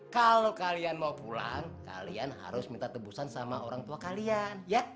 kalau kalian mau pulang kalian harus minta tebusan sama orang tua kalian